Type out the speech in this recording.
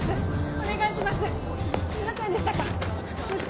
お願いします！